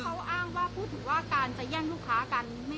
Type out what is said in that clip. เขาอ้างว่าพูดถึงว่าการจะแย่งลูกค้ากัน